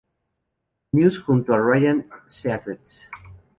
News" junto a Ryan Seacrest.